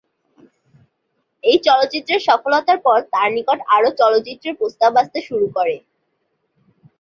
এই চলচ্চিত্রের সফলতার পর তার নিকট আরও চলচ্চিত্রের প্রস্তাব আসতে শুরু করেন।